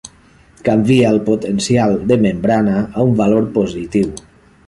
Canvia el potencial de membrana a un valor positiu.